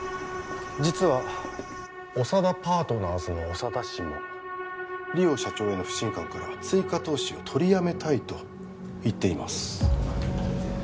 実は長田パートナーズの長田氏も梨央社長への不信感から追加投資を取りやめたいと言っています